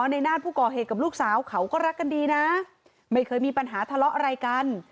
ในนาฏผู้ก่อเหตุกับลูกสาวเขาก็รักกันดีนะไม่เคยมีปัญหาทะเลาะอะไรกัน